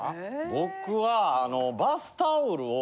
僕は。